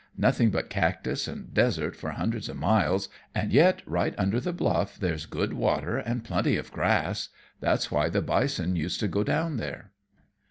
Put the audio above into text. Nothing but cactus and desert for hundreds of miles, and yet right under the bluff there's good water and plenty of grass. That's why the bison used to go down there."